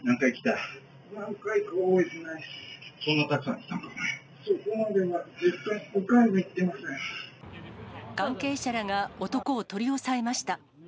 実際、関係者らが男を取り押さえました。